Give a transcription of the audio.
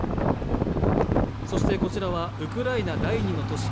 そしてこちらはウクライナ第２の都市